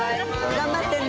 頑張ってね。